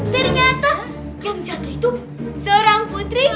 ternyata yang jatuh itu seorang putri